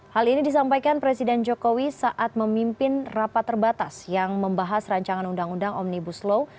hal ini disampaikan presiden jokowi saat memimpin rapat terbatas yang membahas rancangan undang undang omnibus law